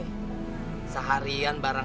pasti salin banget kan